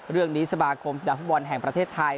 เรื่องนี้สมาคมธุระฟุตบอลแห่งประเทศไทย